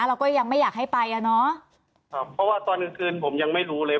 เราก็ยังไม่อยากให้ไปอ่ะเนอะครับเพราะว่าตอนกลางคืนผมยังไม่รู้เลย